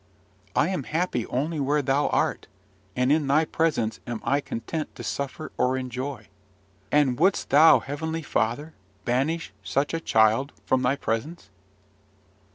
I am happy only where thou art, and in thy presence am I content to suffer or enjoy." And wouldst thou, heavenly Father, banish such a child from thy presence?